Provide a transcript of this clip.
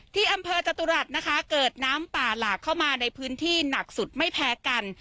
ที่อำเภอจตุรัสนะคะเกิดน้ำป่าหลากเข้ามาในพื้นที่หนักสุดไม่แพ้กัน